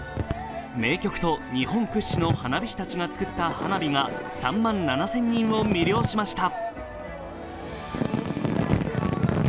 名曲と日本屈指の花火師たちが作った花火が３万７０００人を魅了しました。